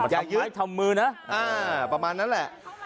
อย่ายึกประมาณนั้นแหละ